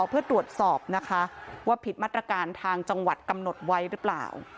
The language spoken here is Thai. เพื่อตรวจสอบนะคะว่าผิดมาตรการทางจังหวัดกำหนดไว้หรือเปล่า